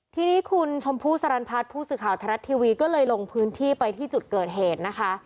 ทีนี้คุณชมพู่สรรพัฒน์ผู้สื่อข่าวไทยรัฐทีวีก็เลยลงพื้นที่ไปที่จุดเกิดเหตุนะคะ